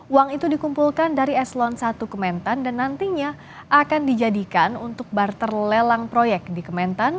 uang itu dikumpulkan dari eselon satu kementan dan nantinya akan dijadikan untuk barter lelang proyek di kementan